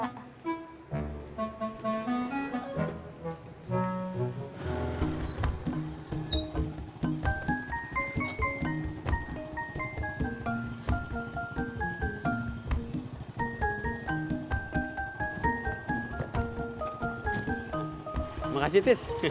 terima kasih tis